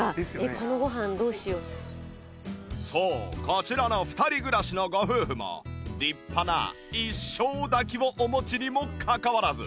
こちらの２人暮らしのご夫婦も立派な一升炊きをお持ちにもかかわらず